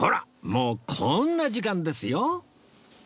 もうこんな時間ですよ